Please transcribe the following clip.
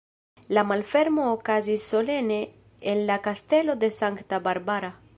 La malfermo okazis solene en la Kastelo de Sankta Barbara.